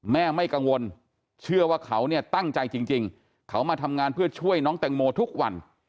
ไม่กังวลเชื่อว่าเขาเนี่ยตั้งใจจริงเขามาทำงานเพื่อช่วยน้องแตงโมทุกวัน